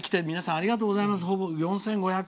ありがとうございます。